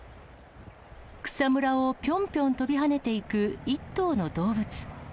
草むらをぴょんぴょん跳びはねていく１頭の動物。